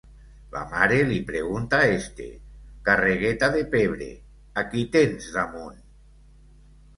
La mare li pregunta a este: «Carregueta de pebre, ¿a qui tens damunt?»